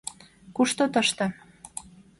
— Кушто тыште?